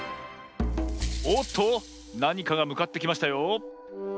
おっとなにかがむかってきましたよ。